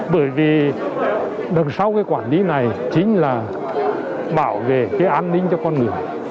bởi vì đằng sau cái quản lý này chính là bảo vệ cái an ninh cho con người